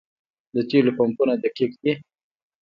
د تیلو پمپونه دقیق دي؟